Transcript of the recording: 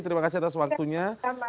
terima kasih atas waktunya